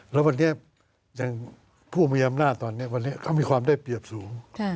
แล้วพูดถึงมีอำนาจตอนงี้เขามีความได้เปรียบสูง